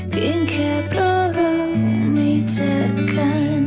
เพียงแค่เพราะเราไม่เจอกัน